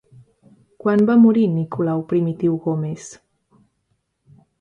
Quan va morir Nicolau Primitiu Gómez?